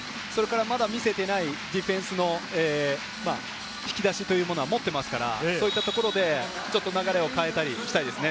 まだ見せていないディフェンスも引き出しというのは持っていますから、そういったところで、ちょっと流れを変えたりしたいですね。